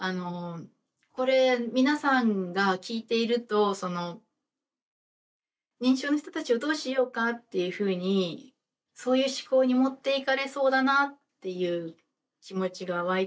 これ皆さんが聞いていると認知症の人たちをどうしようかっていうふうにそういう思考に持っていかれそうだなっていう気持ちが湧いてきて。